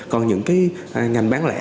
còn những cái ngành bán lẻ